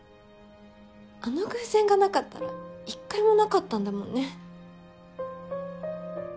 あの偶然がなかったら１回もなかったんだもんね。